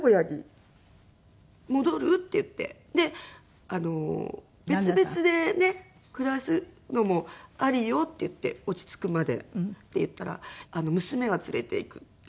で別々でねっ暮らすのもありよって言って落ち着くまで。って言ったら「娘は連れて行く」って。